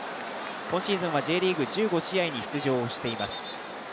今シーズンはＪリーグ１５試合の出場しています。